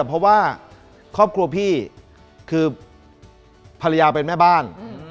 เพราะว่าครอบครัวพี่คือภรรยาเป็นแม่บ้าน